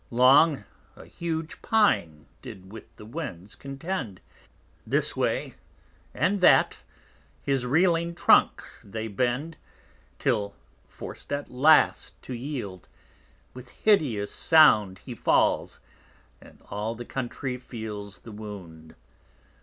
Long a huge Pine did with the Winds contend; This way, and that, his reeling Trunk they bend, Till forc'd at last to yield, with hideous Sound He falls, and all the Country feels the Wound.